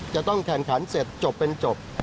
จะต้องแข่งขันเสร็จจบเป็นจบ